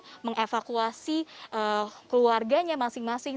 mereka masih mengevakuasi keluarganya masing masing